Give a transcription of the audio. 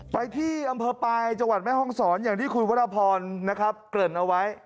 ไปที่อำเภอปลายจังหวัดแม่ห้องศรอย่างที่คุณวรพรนะครับเกริ่นเอาไว้